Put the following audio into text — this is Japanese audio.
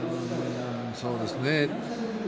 そうですね